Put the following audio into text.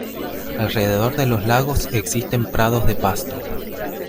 Alrededor de los lagos existen prados de pasto.